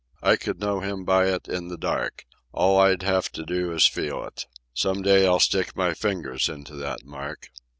I could know him by it in the dark. All I'd have to do is feel it. Some day I'll stick my fingers into that mark."